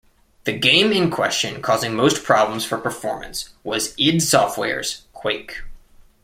The game in question causing most problems for performance was id Software's "Quake".